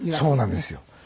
そうなんですよ。